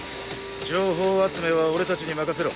情報集めは俺たちに任せろ。